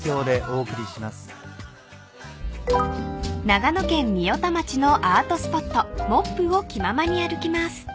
［長野県御代田町のアートスポットＭＭｏＰを気ままに歩きます］